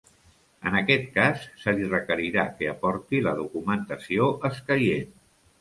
En aquest cas, se li requerirà que aporti la documentació escaient.